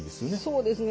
そうですね。